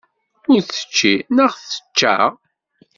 Ur tečči neɣ tečča?